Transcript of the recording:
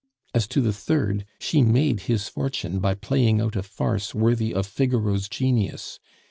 "As to the third, she made his fortune by playing out a farce worthy of Figaro's genius.